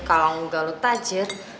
kalau engga lo tajir